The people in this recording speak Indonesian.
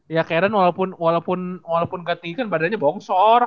ya karen walaupun gak tinggi kan badannya bongsor